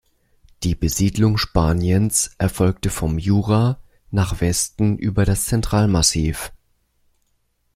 Die Besiedlung Spaniens erfolgte vom Jura nach Westen über das Zentralmassiv.